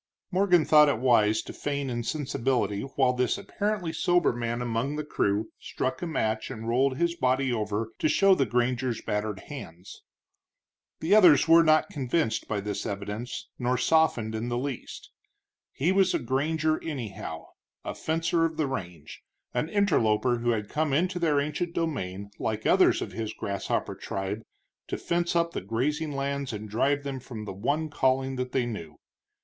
Morgan thought it wise to feign insensibility while this apparently sober man among the crew struck a match and rolled his body over to show the granger's battered hands. The others were not convinced by this evidence, nor softened in the least. He was a granger, anyhow, a fencer of the range, an interloper who had come into their ancient domain like others of his grasshopper tribe to fence up the grazing lands and drive them from the one calling that they knew.